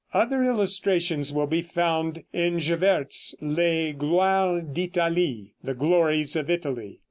Other illustrations will be found in Gevaert's "Les Gloires d'Italie" ("The Glories of Italy").